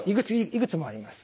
いくつもあります。